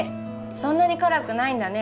そんなに辛くないんだね